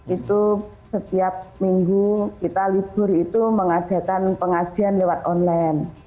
itu setiap minggu kita libur itu mengadakan pengajian lewat online